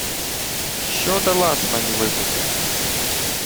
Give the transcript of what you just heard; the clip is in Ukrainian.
— Що дала-с мені випити?